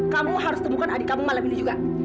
kamu harus temukan adik kamu malam ini juga